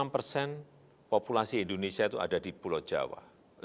enam persen populasi indonesia itu ada di pulau jawa